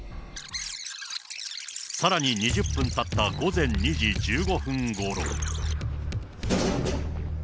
さらに２０分たった午前２時１５分ごろ。